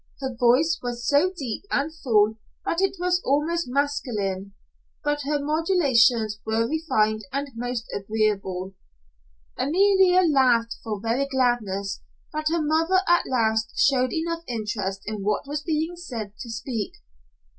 Her voice was so deep and full that it was almost masculine, but her modulations were refined and most agreeable. Amalia laughed for very gladness that her mother at last showed enough interest in what was being said to speak.